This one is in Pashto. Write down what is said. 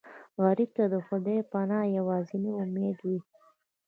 غریب ته د خدای پناه یوازینی امید وي